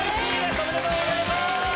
おめでとうございます！